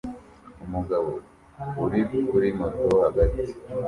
Umugabo uri kuri moto hagati